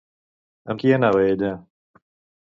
Amb qui anava ella?